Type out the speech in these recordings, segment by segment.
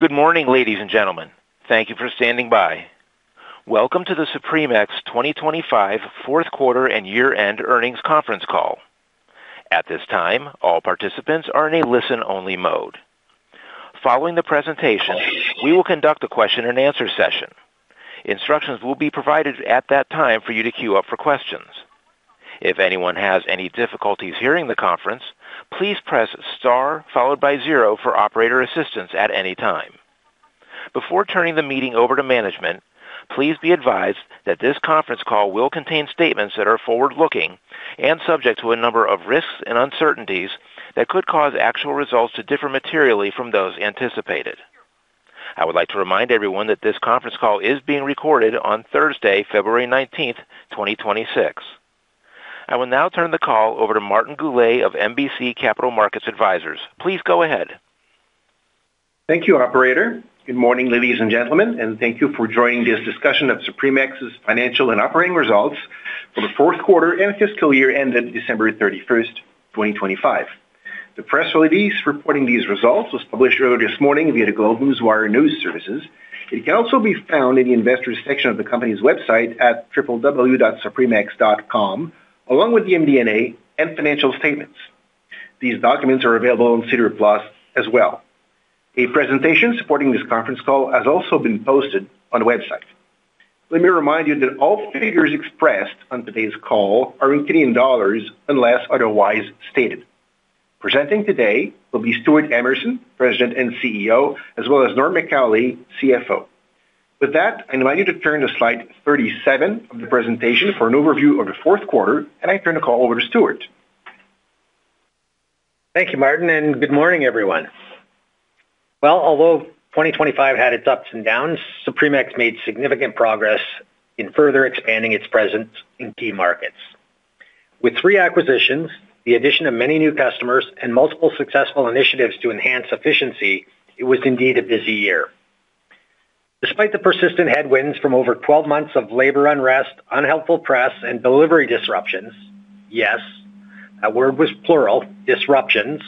Good morning, ladies and gentlemen. Thank you for standing by. Welcome to the SupremeX 2025 Fourth Quarter and Year-End Earnings Conference Call. At this time, all participants are in a listen-only mode. Following the presentation, we will conduct a question and answer session. Instructions will be provided at that time for you to queue up for questions. If anyone has any difficulties hearing the conference, please press star followed by zero for operator assistance at any time. Before turning the meeting over to management, please be advised that this conference call will contain statements that are forward-looking and subject to a number of risks and uncertainties that could cause actual results to differ materially from those anticipated. I would like to remind everyone that this conference call is being recorded on Thursday, February 19th, 2026. I will now turn the call over to Martin Goulet of MBC Capital Markets Advisors. Please go ahead. Thank you, operator. Good morning, ladies and gentlemen, and thank you for joining this discussion of SupremeX's financial and operating results for the fourth quarter and fiscal year ended December 31st, 2025. The press release reporting these results was published earlier this morning via GlobeNewswire. It can also be found in the Investors section of the company's website at www.SupremeX.com, along with the MD&A and financial statements. These documents are available on SEDAR+ as well. A presentation supporting this conference call has also been posted on the website. Let me remind you that all figures expressed on today's call are in Canadian dollars, unless otherwise stated. Presenting today will be Stewart Emerson, President and CEO, as well as Normand Macaulay, CFO. With that, I invite you to turn to slide 37 of the presentation for an overview of the fourth quarter, and I turn the call over to Stewart. Thank you, Martin, and good morning, everyone. Well, although 2025 had its ups and downs, SupremeX made significant progress in further expanding its presence in key markets. With three acquisitions, the addition of many new customers and multiple successful initiatives to enhance efficiency, it was indeed a busy year. Despite the persistent headwinds from over 12 months of labor unrest, unhelpful press and delivery disruptions, yes, that word was plural, disruptions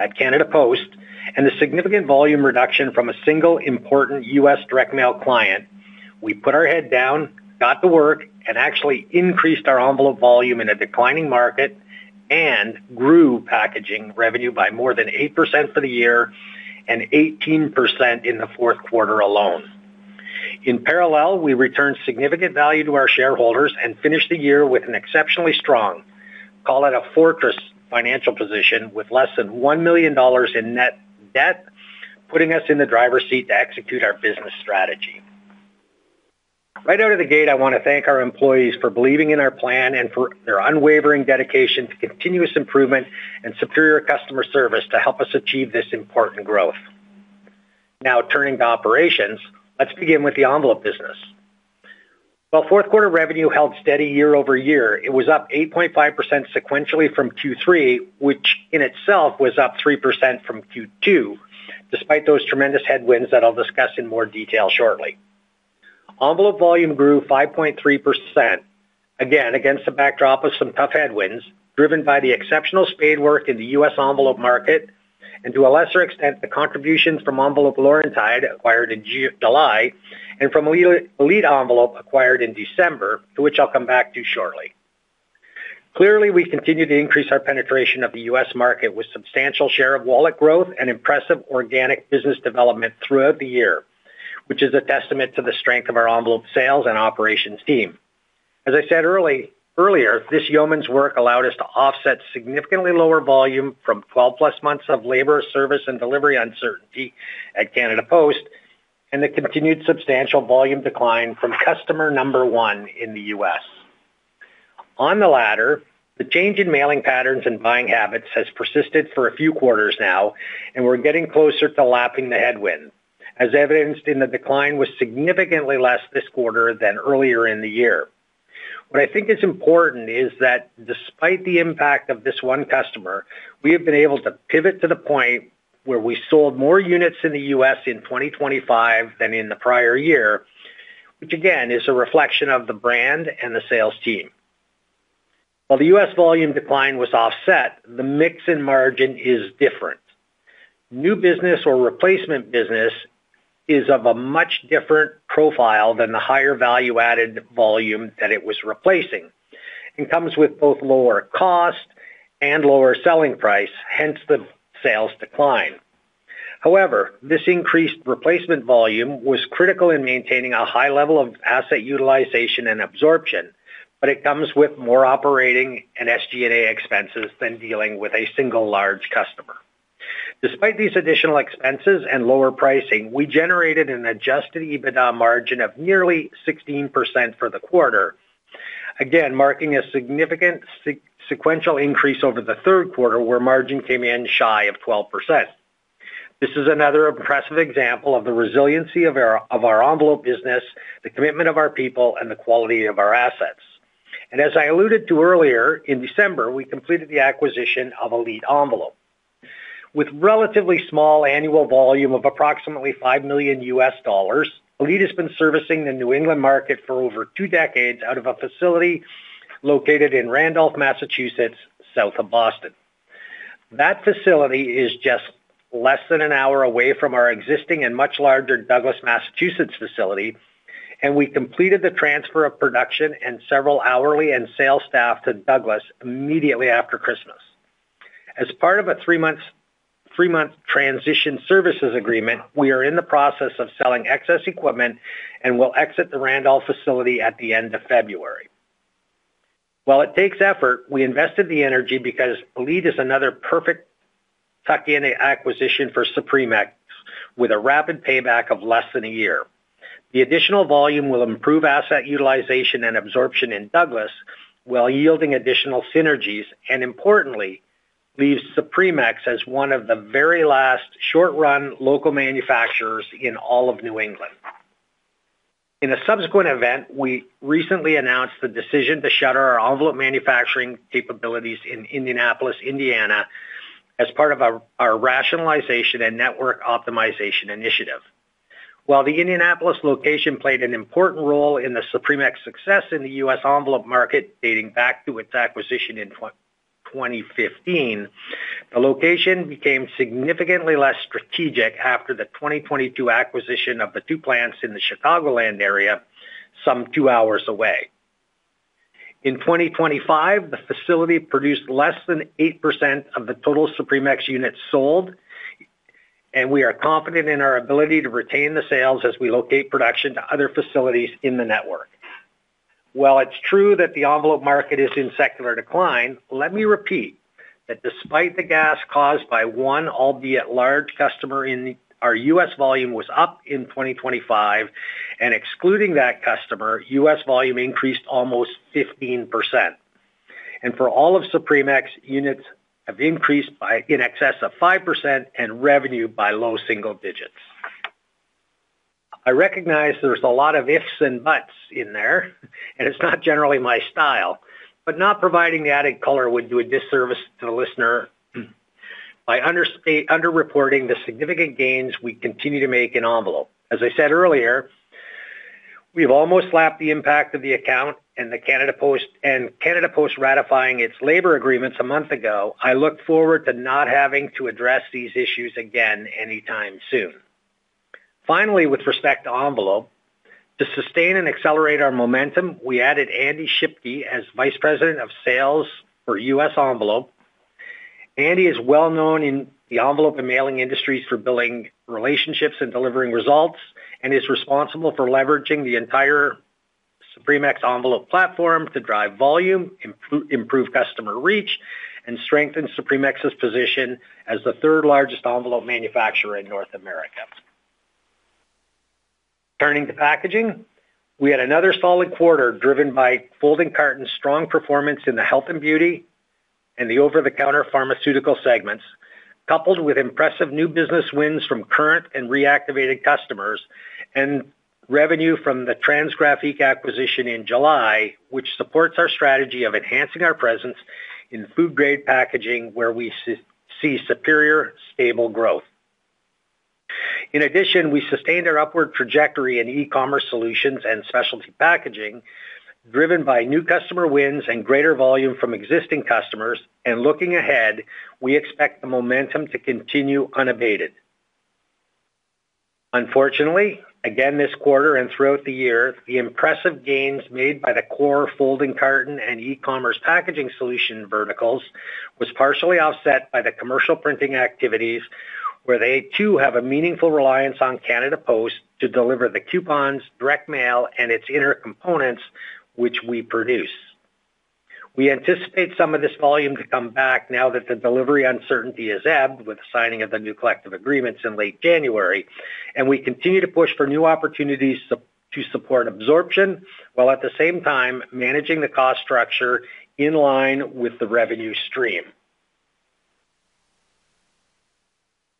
at Canada Post and the significant volume reduction from a single important U.S. direct mail client, we put our head down, got to work, and actually increased our envelope volume in a declining market and grew packaging revenue by more than 8% for the year and 18% in the fourth quarter alone. In parallel, we returned significant value to our shareholders and finished the year with an exceptionally strong, call it a fortress, financial position with less than 1 million dollars in net debt, putting us in the driver's seat to execute our business strategy. Right out of the gate, I want to thank our employees for believing in our plan and for their unwavering dedication to continuous improvement and superior customer service to help us achieve this important growth. Now, turning to operations. Let's begin with the envelope business. While fourth quarter revenue held steady year-over-year, it was up 8.5% sequentially from Q3, which in itself was up 3% from Q2, despite those tremendous headwinds that I'll discuss in more detail shortly. Envelope volume grew 5.3%, again, against a backdrop of some tough headwinds, driven by the exceptional spadework in the U.S. envelope market and, to a lesser extent, the contributions from Enveloppe Laurentide, acquired in July, and from Elite Envelope, acquired in December, to which I'll come back to shortly. Clearly, we continue to increase our penetration of the U.S. market with substantial share of wallet growth and impressive organic business development throughout the year, which is a testament to the strength of our envelope sales and operations team. As I said earlier, this yeoman's work allowed us to offset significantly lower volume from 12+ months of labor, service, and delivery uncertainty at Canada Post and the continued substantial volume decline from customer number one in the U.S. On the latter, the change in mailing patterns and buying habits has persisted for a few quarters now, and we're getting closer to lapping the headwind, as evidenced in the decline, was significantly less this quarter than earlier in the year. What I think is important is that despite the impact of this one customer, we have been able to pivot to the point where we sold more units in the U.S. in 2025 than in the prior year, which again, is a reflection of the brand and the sales team. While the U.S. volume decline was offset, the mix and margin is different. New business or replacement business is of a much different profile than the higher value-added volume that it was replacing and comes with both lower cost and lower selling price, hence the sales decline. However, this increased replacement volume was critical in maintaining a high level of asset utilization and absorption, but it comes with more operating and SG&A expenses than dealing with a single large customer. Despite these additional expenses and lower pricing, we generated an adjusted EBITDA margin of nearly 16% for the quarter, again marking a significant sequential increase over the third quarter, where margin came in shy of 12%. This is another impressive example of the resiliency of our envelope business, the commitment of our people, and the quality of our assets. And as I alluded to earlier, in December, we completed the acquisition of Elite Envelope. With relatively small annual volume of approximately $5 million, Elite has been servicing the New England market for over two decades out of a facility located in Randolph, Massachusetts, south of Boston. That facility is just less than an hour away from our existing and much larger Douglas, Massachusetts facility, and we completed the transfer of production and several hourly and sales staff to Douglas immediately after Christmas. As part of a three months, three-month transition services agreement, we are in the process of selling excess equipment and will exit the Randolph facility at the end of February. While it takes effort, we invested the energy because Elite is another perfect tuck-in acquisition for SupremeX, with a rapid payback of less than a year. The additional volume will improve asset utilization and absorption in Douglas, while yielding additional synergies, and importantly, leaves SupremeX as one of the very last short-run local manufacturers in all of New England. In a subsequent event, we recently announced the decision to shutter our envelope manufacturing capabilities in Indianapolis, Indiana, as part of our rationalization and network optimization initiative. While the Indianapolis location played an important role in the SupremeX success in the U.S. envelope market, dating back to its acquisition in 2015, the location became significantly less strategic after the 2022 acquisition of the two plants in the Chicagoland area, some two hours away. In 2025, the facility produced less than 8% of the total SupremeX units sold, and we are confident in our ability to retain the sales as we locate production to other facilities in the network. While it's true that the envelope market is in secular decline, let me repeat, that despite the gaps caused by one, albeit large customer in the, our U.S. volume was up in 2025, and excluding that customer, U.S. volume increased almost 15%. And for all of SupremeX, units have increased by in excess of 5% and revenue by low single digits. I recognize there's a lot of ifs and buts in there, and it's not generally my style, but not providing the added color would do a disservice to the listener by underreporting the significant gains we continue to make in envelope. As I said earlier, we've almost lapped the impact of the account and the Canada Post, and Canada Post ratifying its labor agreements a month ago, I look forward to not having to address these issues again anytime soon. Finally, with respect to envelope, to sustain and accelerate our momentum, we added Andy Schipke as Vice President of Sales for U.S. Envelope. Andy is well known in the envelope and mailing industries for building relationships and delivering results, and is responsible for leveraging the entire SupremeX envelope platform to drive volume, improve customer reach, and strengthen SupremeX's position as the third-largest envelope manufacturer in North America. Turning to packaging, we had another solid quarter, driven by folding carton's strong performance in the health and beauty and the over-the-counter pharmaceutical segments, coupled with impressive new business wins from current and reactivated customers, and revenue from the Trans-Graphique acquisition in July, which supports our strategy of enhancing our presence in food grade packaging, where we see superior, stable growth. In addition, we sustained our upward trajectory in e-commerce solutions and specialty packaging, driven by new customer wins and greater volume from existing customers, and looking ahead, we expect the momentum to continue unabated. Unfortunately, again, this quarter and throughout the year, the impressive gains made by the core folding carton and e-commerce packaging solution verticals was partially offset by the commercial printing activities, where they too have a meaningful reliance on Canada Post to deliver the coupons, direct mail, and its inner components, which we produce. We anticipate some of this volume to come back now that the delivery uncertainty has ebbed with the signing of the new collective agreements in late January, and we continue to push for new opportunities to support absorption, while at the same time managing the cost structure in line with the revenue stream.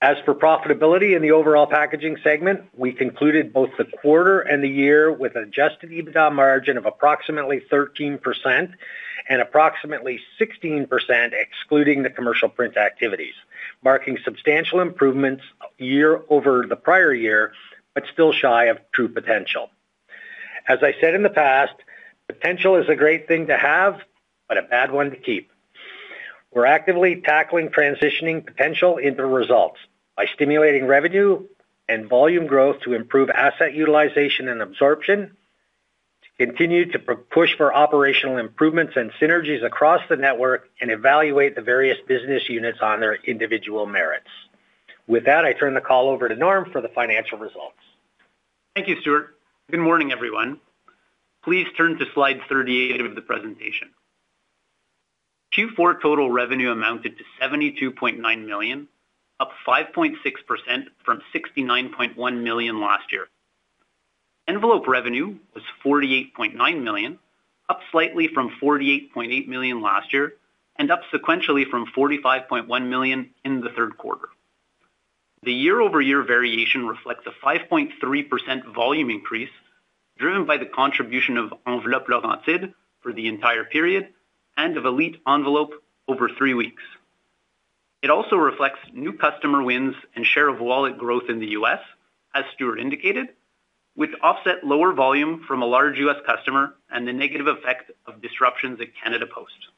As for profitability in the overall packaging segment, we concluded both the quarter and the year with adjusted EBITDA margin of approximately 13% and approximately 16%, excluding the commercial print activities, marking substantial improvements year-over-year, but still shy of true potential. As I said in the past, potential is a great thing to have, but a bad one to keep. We're actively tackling transitioning potential into results by stimulating revenue and volume growth to improve asset utilization and absorption, to continue to push for operational improvements and synergies across the network, and evaluate the various business units on their individual merits. With that, I turn the call over to Norm for the financial results. Thank you, Stewart. Good morning, everyone. Please turn to slide 38 of the presentation. Q4 total revenue amounted to 72.9 million, up 5.6% from 69.1 million last year. Envelope revenue was 48.9 million, up slightly from 48.8 million last year, and up sequentially from 45.1 million in the third quarter. The year-over-year variation reflects a 5.3% volume increase, driven by the contribution of Enveloppe Laurentide for the entire period and of Elite Envelope over three weeks. It also reflects new customer wins and share of wallet growth in the U.S., as Stewart indicated, which offset lower volume from a large U.S. customer and the negative effect of disruptions at Canada Post.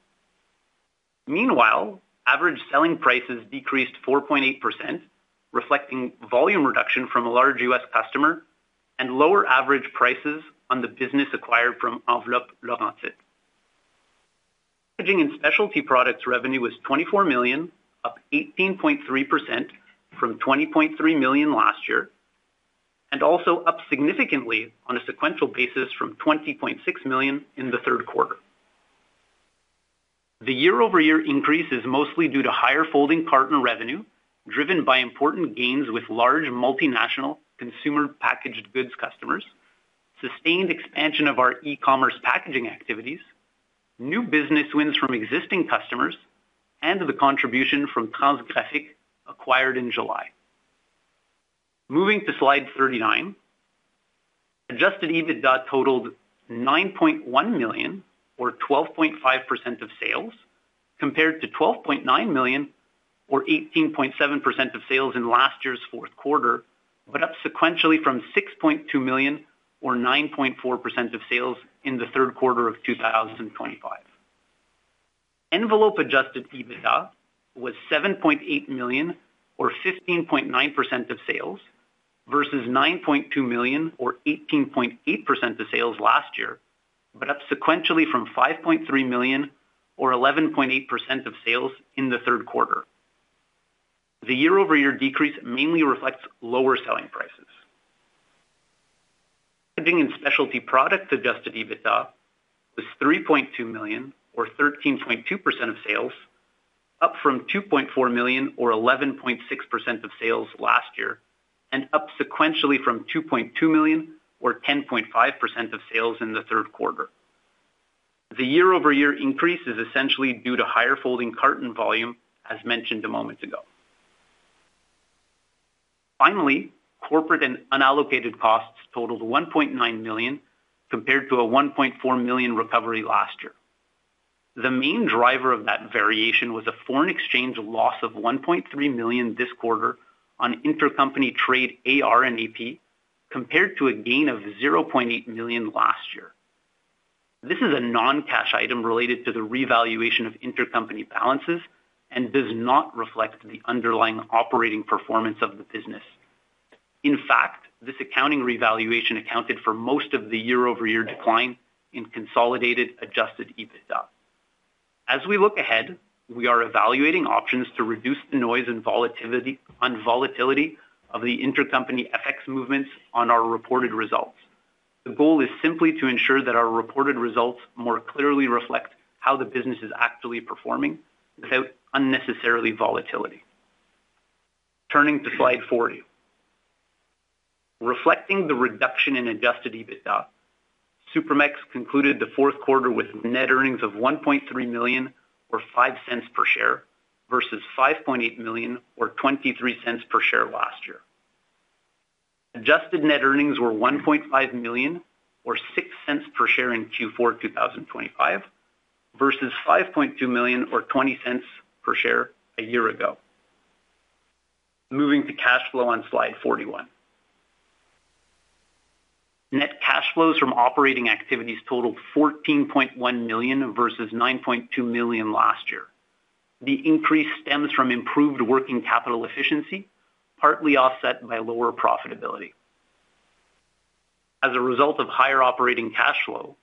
Meanwhile, average selling prices decreased 4.8%, reflecting volume reduction from a large U.S. customer and lower average prices on the business acquired from Enveloppe Laurentide. Packaging and specialty products revenue was 24 million, up 18.3% from 20.3 million last year, and also up significantly on a sequential basis from 20.6 million in the third quarter. The year-over-year increase is mostly due to higher folding carton revenue, driven by important gains with large multinational consumer packaged goods customers, sustained expansion of our e-commerce packaging activities, new business wins from existing customers, and the contribution from Trans-Graphique, acquired in July. Moving to slide 39. Adjusted EBITDA totaled 9.1 million, or 12.5% of sales, compared to 12.9 million, or 18.7% of sales in last year's fourth quarter, but up sequentially from 6.2 million, or 9.4% of sales, in the third quarter of 2025. Envelope adjusted EBITDA was 7.8 million, or 15.9% of sales, versus 9.2 million or 18.8% of sales last year, but up sequentially from 5.3 million or 11.8% of sales in the third quarter. The year-over-year decrease mainly reflects lower selling prices. Packaging and specialty product Adjusted EBITDA was 3.2 million or 13.2% of sales, up from 2.4 million or 11.6% of sales last year, and up sequentially from 2.2 million or 10.5% of sales in the third quarter. The year-over-year increase is essentially due to higher folding carton volume, as mentioned a moment ago. Finally, corporate and unallocated costs totaled 1.9 million, compared to a 1.4 million recovery last year. The main driver of that variation was a foreign exchange loss of 1.3 million this quarter on intercompany trade AR and AP, compared to a gain of 0.8 million last year. This is a non-cash item related to the revaluation of intercompany balances and does not reflect the underlying operating performance of the business. In fact, this accounting revaluation accounted for most of the year-over-year decline in consolidated Adjusted EBITDA. As we look ahead, we are evaluating options to reduce the noise and volatility on volatility of the intercompany FX movements on our reported results. The goal is simply to ensure that our reported results more clearly reflect how the business is actually performing without unnecessarily volatility. Turning to slide 40. Reflecting the reduction in Adjusted EBITDA, SupremeX concluded the fourth quarter with net earnings of 1.3 million, or 0.05 per share, versus 5.8 million, or 0.23 per share last year. Adjusted net earnings were 1.5 million, or 0.06 per share in Q4 2025, versus 5.2 million or 0.20 per share a year ago. Moving to cash flow on slide 41. Net cash flows from operating activities totaled 14.1 million versus 9.2 million last year. The increase stems from improved working capital efficiency, partly offset by lower profitability. As a result of higher operating cash flow,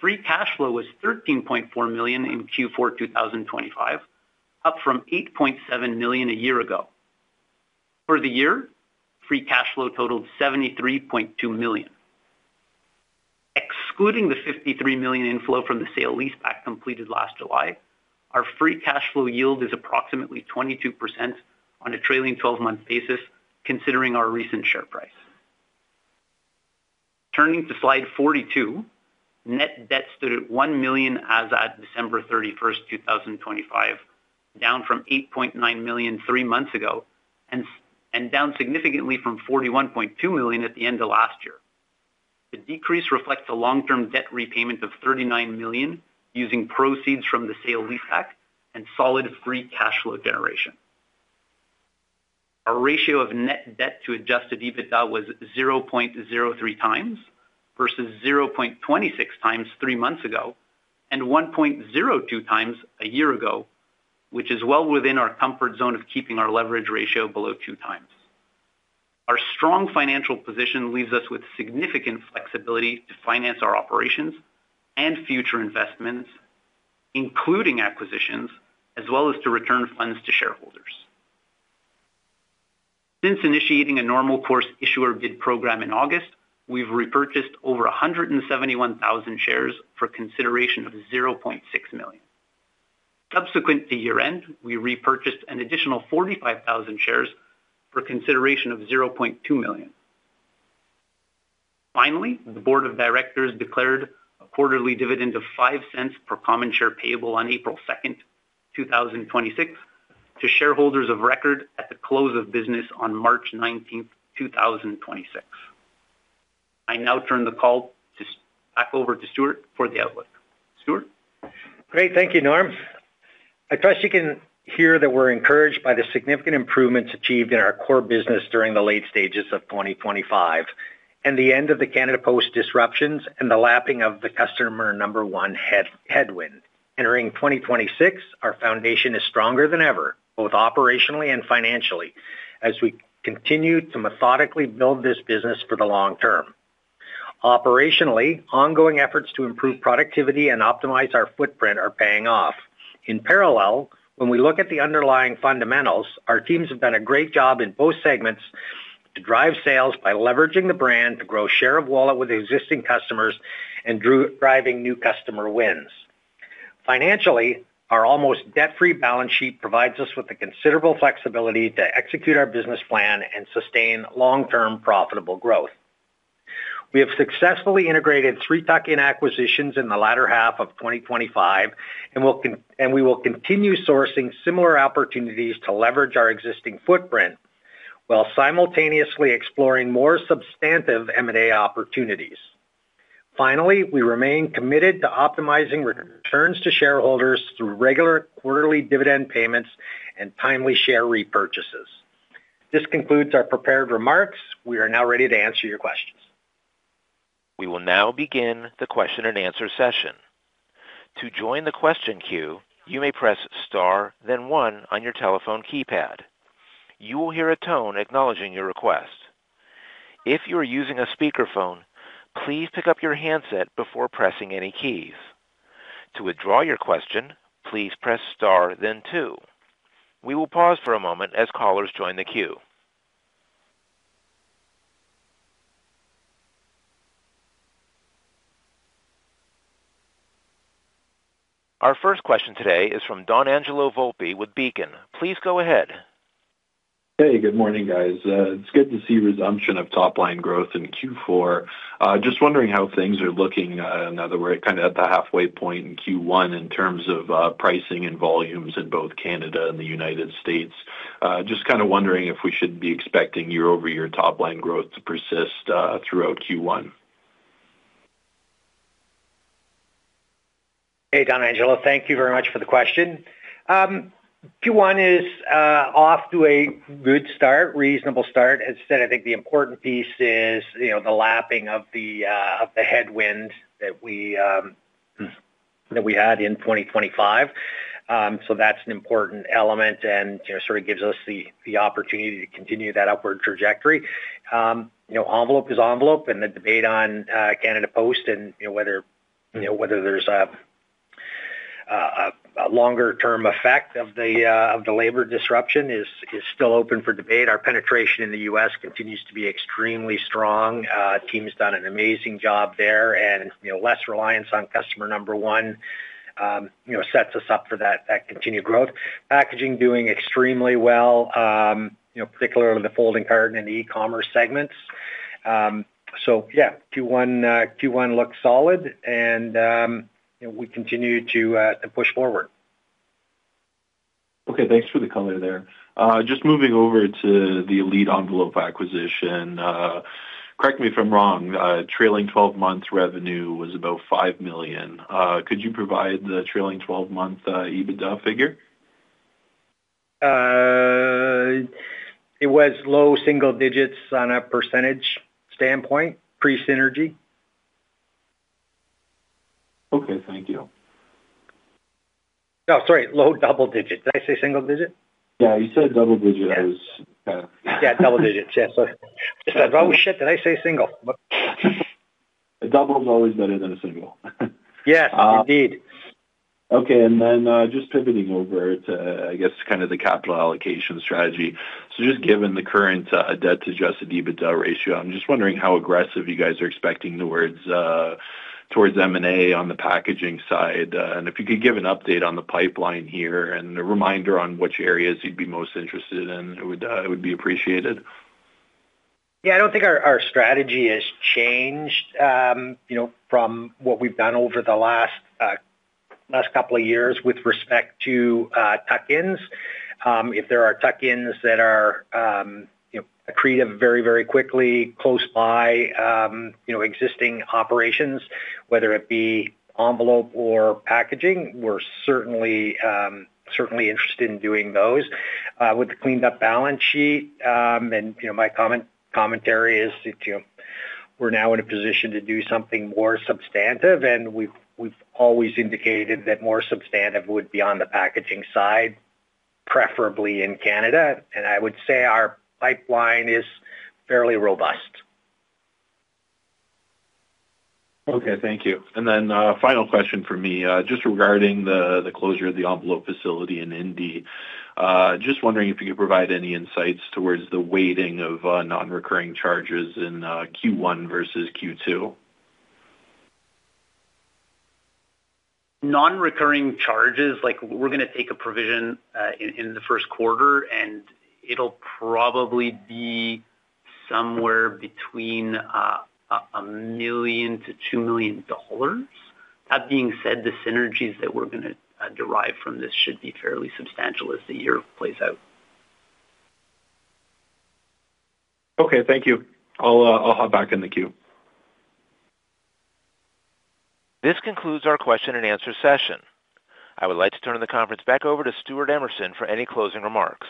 free cash flow was 13.4 million in Q4 2025, up from 8.7 million a year ago. For the year, free cash flow totaled 73.2 million. Excluding the 53 million inflow from the sale-leaseback completed last July, our free cash flow yield is approximately 22% on a trailing twelve-month basis, considering our recent share price. Turning to slide 42, net debt stood at 1 million as at December 31st, 2025, down from 8.9 million three months ago, and down significantly from 41.2 million at the end of last year. The decrease reflects a long-term debt repayment of 39 million using proceeds from the sale-leaseback and solid free cash flow generation. Our ratio of net debt to Adjusted EBITDA was 0.03x versus 0.26x three months ago and 1.02x a year ago, which is well within our comfort zone of keeping our leverage ratio below 2x. Our strong financial position leaves us with significant flexibility to finance our operations and future investments, including acquisitions, as well as to return funds to shareholders. Since initiating a normal course issuer bid program in August, we've repurchased over 171,000 shares for consideration of 0.6 million. Subsequent to year-end, we repurchased an additional 45,000 shares for consideration of 0.2 million. Finally, the board of directors declared a quarterly dividend of 0.05 per common share payable on April 2nd, 2026, to shareholders of record at the close of business on March 19th, 2026. I now turn the call back over to Stewart for the outlook. Stewart? Great. Thank you, Norm. I trust you can hear that we're encouraged by the significant improvements achieved in our core business during the late stages of 2025, and the end of the Canada Post disruptions and the lapping of the customer number one headwind. Entering 2026, our foundation is stronger than ever, both operationally and financially, as we continue to methodically build this business for the long term. Operationally, ongoing efforts to improve productivity and optimize our footprint are paying off. In parallel, when we look at the underlying fundamentals, our teams have done a great job in both segments to drive sales by leveraging the brand to grow share of wallet with existing customers and driving new customer wins. Financially, our almost debt-free balance sheet provides us with the considerable flexibility to execute our business plan and sustain long-term profitable growth. We have successfully integrated three tuck-in acquisitions in the latter half of 2025, and we will continue sourcing similar opportunities to leverage our existing footprint, while simultaneously exploring more substantive M&A opportunities. Finally, we remain committed to optimizing returns to shareholders through regular quarterly dividend payments and timely share repurchases. This concludes our prepared remarks. We are now ready to answer your questions. We will now begin the question and answer session. To join the question queue, you may press star, then one on your telephone keypad. You will hear a tone acknowledging your request. If you are using a speakerphone, please pick up your handset before pressing any keys. To withdraw your question, please press star then two. We will pause for a moment as callers join the queue. Our first question today is from Donangelo Volpe with Beacon. Please go ahead. Hey, good morning, guys. It's good to see resumption of top-line growth in Q4. Just wondering how things are looking now that we're kinda at the halfway point in Q1, in terms of pricing and volumes in both Canada and the United States. Just kinda wondering if we should be expecting year-over-year top line growth to persist throughout Q1. Hey, Donangelo, thank you very much for the question. Q1 is off to a good start, reasonable start. As I said, I think the important piece is, you know, the lapping of the headwind that we had in 2025. So that's an important element and, you know, sort of gives us the opportunity to continue that upward trajectory. You know, envelope is envelope, and the debate on Canada Post and, you know, whether there's a longer-term effect of the labor disruption is still open for debate. Our penetration in the U.S. continues to be extremely strong. Team's done an amazing job there, and, you know, less reliance on customer number one, you know, sets us up for that continued growth. Packaging doing extremely well, you know, particularly with the folding carton and e-commerce segments. So, yeah, Q1 looks solid, and, you know, we continue to push forward. Okay, thanks for the color there. Just moving over to the Elite Envelope acquisition. Correct me if I'm wrong, trailing twelve months revenue was about $5 million. Could you provide the trailing twelve-month EBITDA figure? It was low single digits on a percentage standpoint, pre-synergy. Okay, thank you. Oh, sorry, low double digits. Did I say single digit? Yeah, you said double digit. Yes. I was... Yeah, double digits. Yeah, sorry. I said, "Oh, shit, did I say single?" A double is always better than a single. Yes, indeed. Okay, and then, just pivoting over to, I guess, kind of the capital allocation strategy. Yeah. So just given the current, debt to Adjusted EBITDA ratio, I'm just wondering how aggressive you guys are expecting towards, towards M&A on the packaging side. If you could give an update on the pipeline here and a reminder on which areas you'd be most interested in, it would, it would be appreciated. Yeah, I don't think our strategy has changed, you know, from what we've done over the last couple of years with respect to tuck-ins. If there are tuck-ins that are, you know, accretive very quickly, close by existing operations, whether it be envelope or packaging, we're certainly interested in doing those. With the cleaned-up balance sheet, and, you know, my commentary is that, you know, we're now in a position to do something more substantive, and we've always indicated that more substantive would be on the packaging side, preferably in Canada, and I would say our pipeline is fairly robust. Okay, thank you. And then, final question for me, just regarding the closure of the envelope facility in Indy. Just wondering if you could provide any insights towards the weighting of non-recurring charges in Q1 versus Q2. Non-recurring charges, like, we're gonna take a provision in the first quarter, and it'll probably be somewhere between a million to two million dollars. That being said, the synergies that we're gonna derive from this should be fairly substantial as the year plays out. Okay, thank you. I'll hop back in the queue. This concludes our question and answer session. I would like to turn the conference back over to Stewart Emerson for any closing remarks.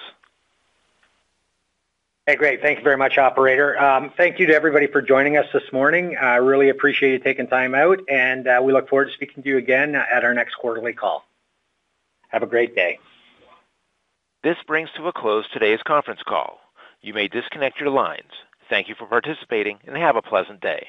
Hey, great. Thank you very much, operator. Thank you to everybody for joining us this morning. I really appreciate you taking time out, and we look forward to speaking to you again at our next quarterly call. Have a great day. This brings to a close today's conference call. You may disconnect your lines. Thank you for participating, and have a pleasant day.